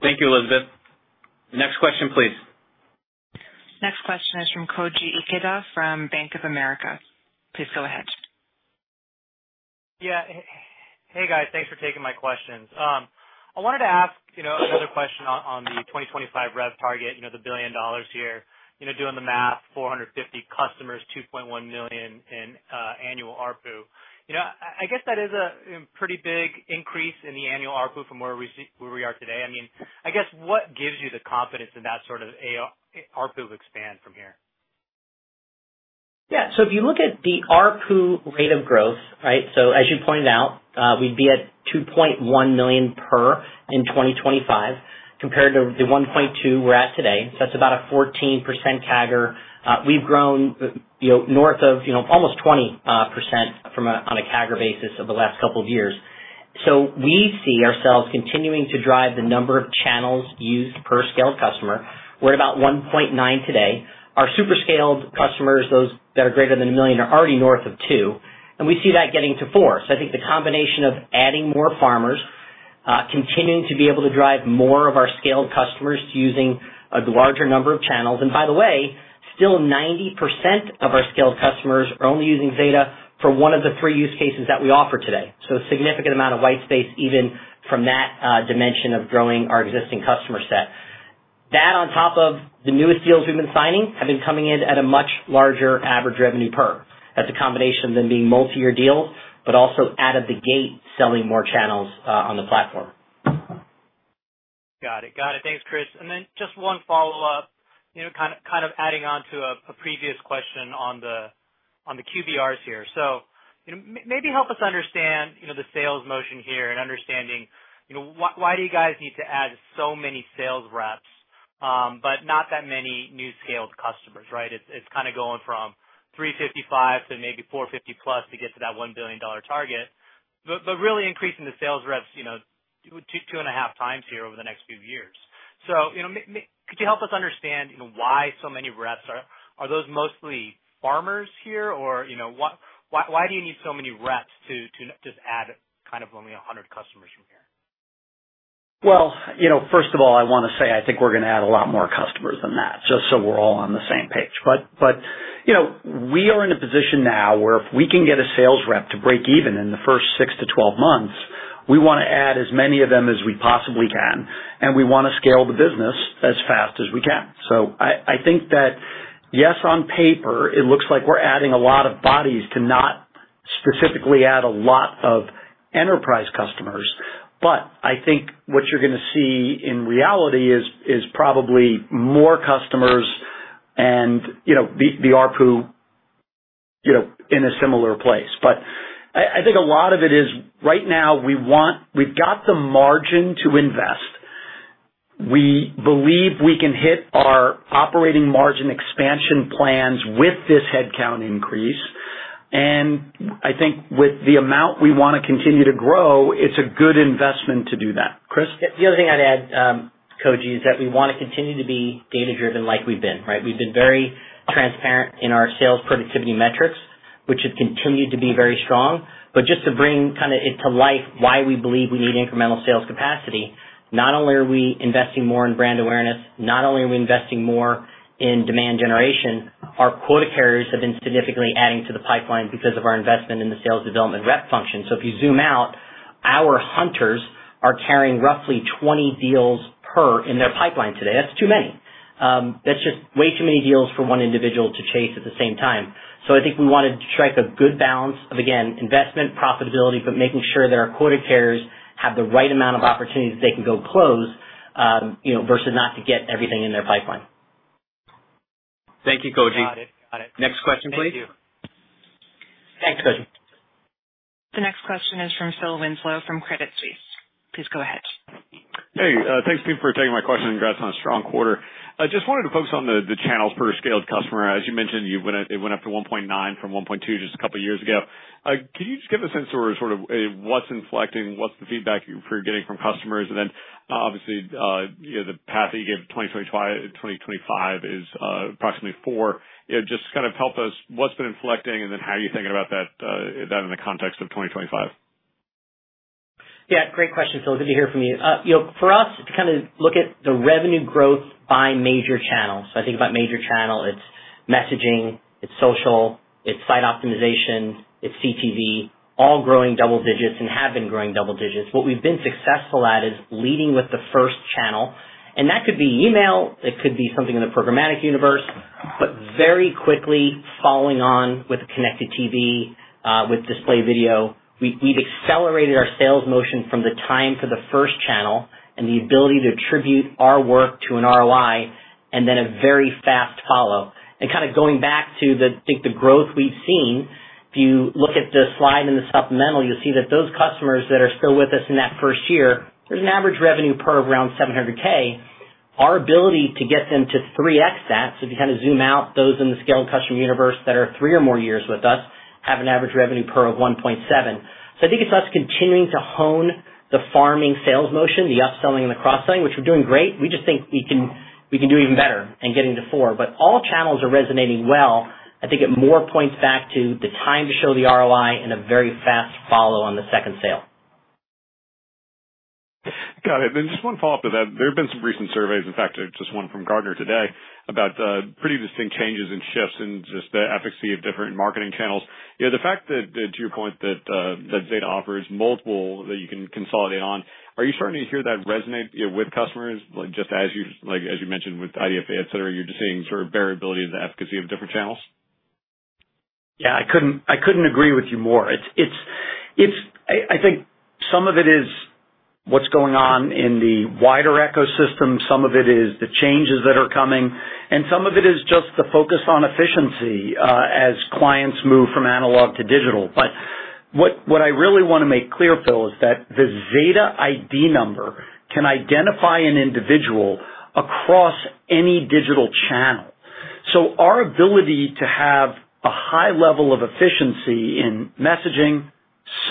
Thank you, Elizabeth. Next question, please. Next question is from Koji Ikeda from Bank of America. Please go ahead. Yeah. Hey, guys. Thanks for taking my questions. I wanted to ask another question on the 2025 rev target, the $1 billion here. Doing the math, 450 customers, $2.1 million in annual ARPU. I guess that is a pretty big increase in the annual ARPU from where we are today. I mean, I guess, what gives you the confidence in that sort of ARPU expand from here? Yeah. So if you look at the ARPU rate of growth, right, so as you pointed out, we'd be at $2.1 million per in 2025 compared to the $1.2 we're at today. So that's about a 14% CAGR. We've grown north of almost 20% on a CAGR basis over the last couple of years. So we see ourselves continuing to drive the number of channels used per Scaled Customer. We're at about 1.9 today. Our Super Scaled Customers, those that are greater than $1 million, are already north of two. And we see that getting to four. So I think the combination of adding more farmers, continuing to be able to drive more of our Scaled Customers using a larger number of channels. By the way, still 90% of our Scaled Customers are only using Zeta for one of the three use cases that we offer today. A significant amount of white space even from that dimension of growing our existing customer set. That on top of the newest deals we've been signing have been coming in at a much larger average revenue per. That's a combination of them being multi-year deals, but also out of the gate selling more channels on the platform. Got it. Got it. Thanks, Chris. Then just one follow-up, kind of adding on to a previous question on the QBRs here. Maybe help us understand the sales motion here and understanding why do you guys need to add so many sales reps, but not that many new Scaled Customers, right? It's kind of going from 355 to maybe 450 plus to get to that $1 billion target, but really increasing the sales reps two and a half times here over the next few years, so could you help us understand why so many reps? Are those mostly farmers here, or why do you need so many reps to just add kind of only 100 customers from here? First of all, I want to say I think we're going to add a lot more customers than that, just so we're all on the same page, but we are in a position now where if we can get a sales rep to break even in the first six to 12 months, we want to add as many of them as we possibly can, and we want to scale the business as fast as we can. I think that, yes, on paper, it looks like we're adding a lot of bodies to not specifically add a lot of enterprise customers, but I think what you're going to see in reality is probably more customers and the ARPU in a similar place. But I think a lot of it is right now we've got the margin to invest. We believe we can hit our operating margin expansion plans with this headcount increase. And I think with the amount we want to continue to grow, it's a good investment to do that. Chris? The other thing I'd add, Koji, is that we want to continue to be data-driven like we've been, right? We've been very transparent in our sales productivity metrics, which have continued to be very strong. But just to bring it to life, kind of, why we believe we need incremental sales capacity. Not only are we investing more in brand awareness, not only are we investing more in demand generation, our quota carriers have been significantly adding to the pipeline because of our investment in the sales development rep function. So if you zoom out, our hunters are carrying roughly 20 deals per rep in their pipeline today. That's too many. That's just way too many deals for one individual to chase at the same time. So I think we want to strike a good balance of, again, investment, profitability, but making sure that our quota carriers have the right amount of opportunities that they can go close versus not to get everything in their pipeline. Thank you, Koji. Got it. Got it. Next question, please. Thank you. Thanks, Koji. The next question is from Phil Winslow from Credit Suisse. Please go ahead. Hey. Thanks, Steve, for taking my question. Congrats on a strong quarter. I just wanted to focus on the channels per Scaled Customer. As you mentioned, it went up to 1.9 from 1.2 just a couple of years ago. Could you just give a sense of sort of what's inflecting, what's the feedback you're getting from customers? And then, obviously, the path that you gave 2025 is approximately four. Just kind of help us, what's been inflecting, and then how are you thinking about that in the context of 2025? Yeah. Great question. So it's good to hear from you. For us, to kind of look at the revenue growth by major channels. So I think about major channel. It's messaging. It's social. It's site optimization. It's CTV. All growing double digits and have been growing double digits. What we've been successful at is leading with the first channel. And that could be email. It could be something in the programmatic universe. But very quickly following on with connected TV, with display video, we've accelerated our sales motion from the time for the first channel and the ability to attribute our work to an ROI and then a very fast follow. And kind of going back to the growth we've seen, if you look at the slide in the supplemental, you'll see that those customers that are still with us in that first year, there's an average revenue per around $700,000. Our ability to get them to 3x that, so if you kind of zoom out, those in the Scaled Customer universe that are three or more years with us have an average revenue per of $1.7 million. So, I think it's us continuing to hone the farming sales motion, the upselling and the cross-selling, which we're doing great. We just think we can do even better and getting to four. But all channels are resonating well. I think it more points back to the time to show the ROI and a very fast follow on the second sale. Got it. And just one follow-up to that. There have been some recent surveys, in fact, just one from Gartner today, about pretty distinct changes and shifts in just the efficacy of different marketing channels. The fact that, to your point, that Zeta offers multiple that you can consolidate on, are you starting to hear that resonate with customers? Just as you mentioned with IDFA, etc., you're just seeing sort of variability in the efficacy of different channels? Yeah. I couldn't agree with you more. I think some of it is what's going on in the wider ecosystem. Some of it is the changes that are coming. And some of it is just the focus on efficiency as clients move from analog to digital. But what I really want to make clear, Phil, is that the Zeta ID number can identify an individual across any digital channel. So our ability to have a high level of efficiency in messaging,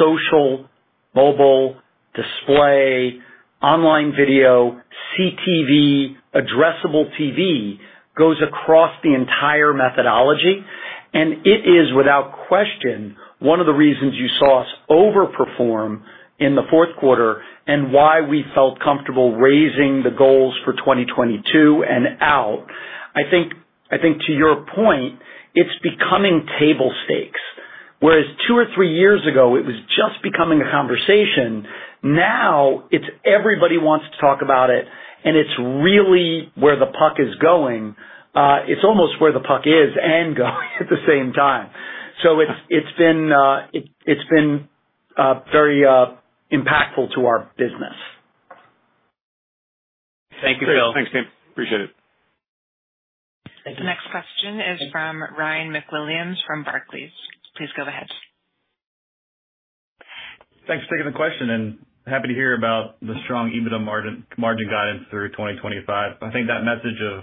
social, mobile, display, online video, CTV, addressable TV goes across the entire methodology. And it is, without question, one of the reasons you saw us overperform in the fourth quarter and why we felt comfortable raising the goals for 2022 and out. I think, to your point, it's becoming table stakes. Whereas two or three years ago, it was just becoming a conversation. Now it's everybody wants to talk about it, and it's really where the puck is going. It's almost where the puck is and going at the same time. So it's been very impactful to our business. Thank you, Phil. Thanks, Steve. Appreciate it. Thank you. The next question is from Ryan MacWilliams from Barclays. Please go ahead. Thanks for taking the question. And happy to hear about the strong EBITDA margin guidance through 2025. I think that message of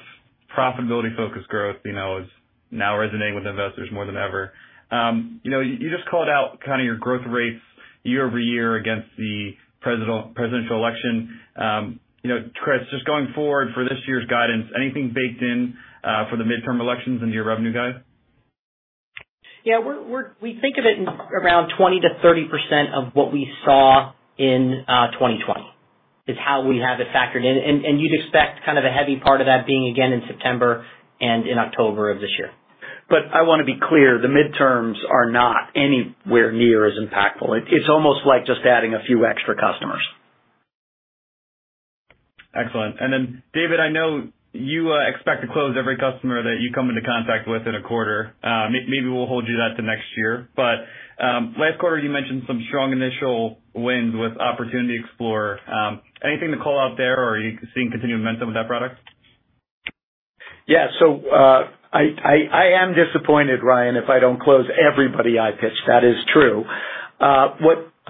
profitability-focused growth is now resonating with investors more than ever. You just called out kind of your growth rates year-over-year against the presidential election. Chris, just going forward for this year's guidance, anything baked in for the midterm elections into your revenue guide? Yeah. We think of it around 20%-30% of what we saw in 2020 is how we have it factored in. And you'd expect kind of a heavy part of that being, again, in September and in October of this year. But I want to be clear, the midterms are not anywhere near as impactful. It's almost like just adding a few extra customers. Excellent. And then, David, I know you expect to close every customer that you come into contact with in a quarter. Maybe we'll hold you to that next year. But last quarter, you mentioned some strong initial wins with Opportunity Explorer. Anything to call out there, or are you seeing continued momentum with that product? Yeah. So I am disappointed, Ryan, if I don't close everybody I pitch. That is true.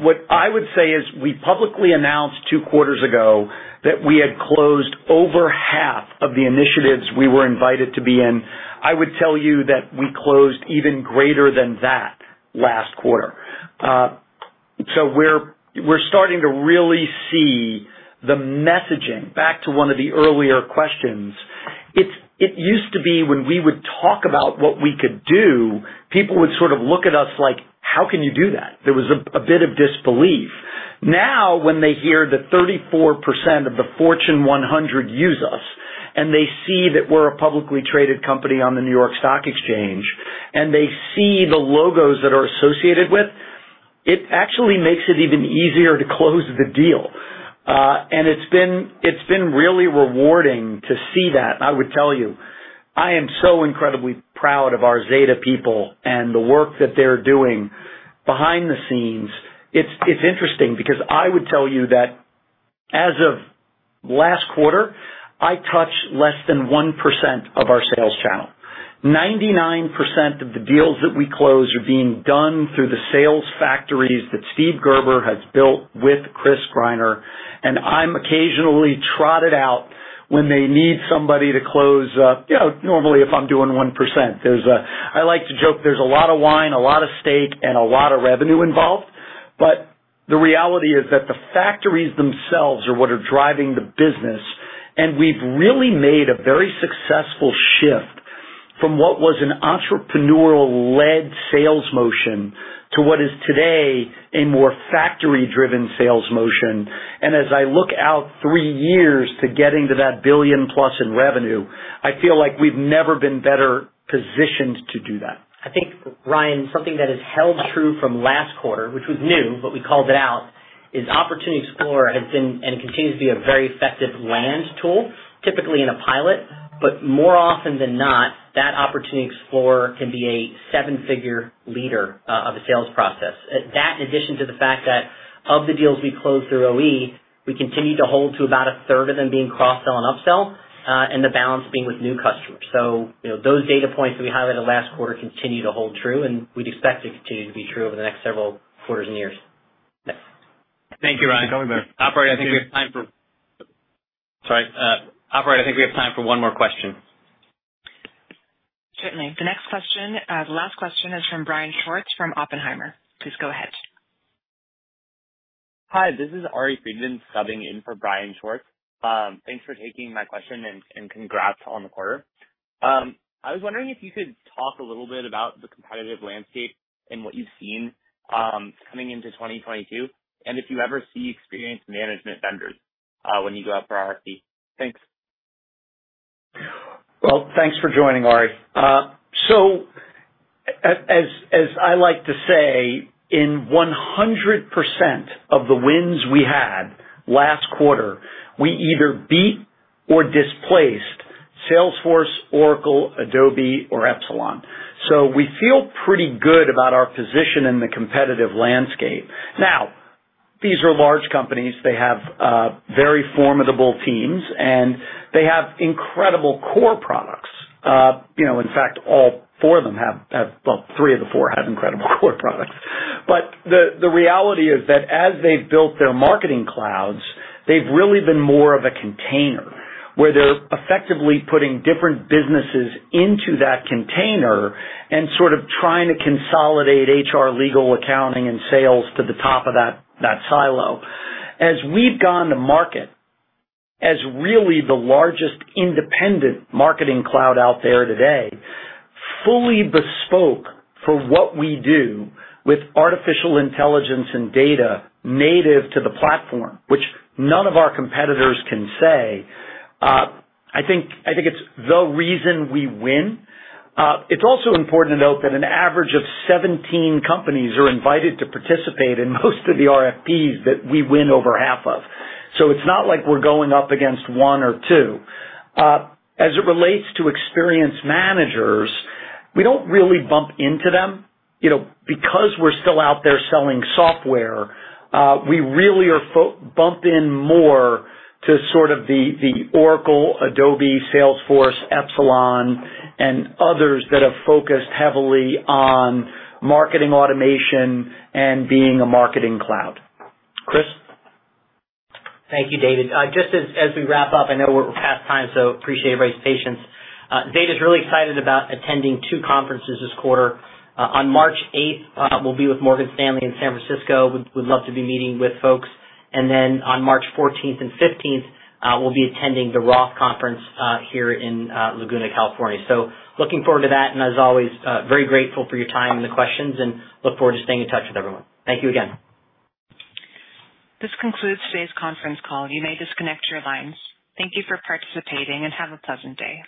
What I would say is we publicly announced two quarters ago that we had closed over half of the initiatives we were invited to be in. I would tell you that we closed even greater than that last quarter. So we're starting to really see the messaging. Back to one of the earlier questions, it used to be when we would talk about what we could do, people would sort of look at us like, "How can you do that?" There was a bit of disbelief. Now, when they hear that 34% of the Fortune 100 use us, and they see that we're a publicly traded company on the New York Stock Exchange, and they see the logos that are associated with, it actually makes it even easier to close the deal. And it's been really rewarding to see that. I would tell you, I am so incredibly proud of our Zeta people and the work that they're doing behind the scenes. It's interesting because I would tell you that as of last quarter, I touch less than 1% of our sales channel. 99% of the deals that we close are being done through the sales factories that Steve Gerber has built with Chris Greiner. And I'm occasionally trotted out when they need somebody to close. Normally, if I'm doing 1%, I like to joke there's a lot of wine, a lot of steak, and a lot of revenue involved. But the reality is that the factories themselves are what are driving the business. And we've really made a very successful shift from what was an entrepreneurial-led sales motion to what is today a more factory-driven sales motion. As I look out three years to getting to that billion-plus in revenue, I feel like we've never been better positioned to do that. I think, Ryan, something that has held true from last quarter, which was new, but we called it out, is Opportunity Explorer has been and continues to be a very effective land tool, typically in a pilot. But more often than not, that Opportunity Explorer can be a seven-figure leader of a sales process. That, in addition to the fact that of the deals we close through OE, we continue to hold to about a third of them being cross-sell and upsell, and the balance being with new customers. So those data points that we highlighted last quarter continue to hold true, and we'd expect to continue to be true over the next several quarters and years. Thank you, Ryan. Operator, I think we have time for one more question. Certainly. The last question is from Brian Schwartz from Oppenheimer. Please go ahead. Hi. This is Ari Friedman subbing in for Brian Schwartz. Thanks for taking my question and congrats on the quarter. I was wondering if you could talk a little bit about the competitive landscape and what you've seen coming into 2022, and if you ever see Experience Management vendors when you go out for RFP. Thanks. Well, thanks for joining, Ari. So as I like to say, in 100% of the wins we had last quarter, we either beat or displaced Salesforce, Oracle, Adobe, or Epsilon. So we feel pretty good about our position in the competitive landscape. Now, these are large companies. They have very formidable teams, and they have incredible core products. In fact, all four of them have, well, three of the four have incredible core products, but the reality is that as they've built their marketing clouds, they've really been more of a container where they're effectively putting different businesses into that container and sort of trying to consolidate HR, legal, accounting, and sales to the top of that silo. As we've gone to market as really the largest independent marketing cloud out there today, fully bespoke for what we do with artificial intelligence and data native to the platform, which none of our competitors can say, I think it's the reason we win. It's also important to note that an average of 17 companies are invited to participate in most of the RFPs that we win over half of, so it's not like we're going up against one or two. As it relates to experienced managers, we don't really bump into them. Because we're still out there selling software, we really are bumped in more to sort of the Oracle, Adobe, Salesforce, Epsilon, and others that have focused heavily on marketing automation and being a marketing cloud. Chris? Thank you, David. Just as we wrap up, I know we're past time, so appreciate everybody's patience. Zeta is really excited about attending two conferences this quarter. On March 8th, we'll be with Morgan Stanley in San Francisco. We'd love to be meeting with folks, and then on March 14th and 15th, we'll be attending the Roth Conference here in Laguna, California. So looking forward to that, and as always, very grateful for your time and the questions, and look forward to staying in touch with everyone. Thank you again. This concludes today's conference call. You may disconnect your lines. Thank you for participating, and have a pleasant day.